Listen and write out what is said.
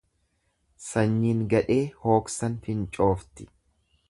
Sanyiin gadhee hooksan fincoofti.